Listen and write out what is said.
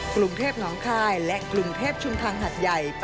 กรุงเทพน้องคายและกรุงเทพชุมทางหัดใหญ่